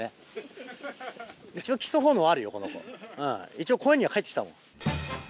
一応公園には帰ってきたもん。